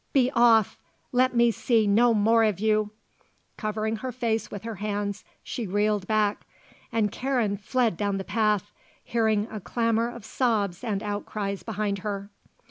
Be off! Let me see no more of you!" Covering her face with her hands, she reeled back, and Karen fled down the path, hearing a clamour of sobs and outcries behind her.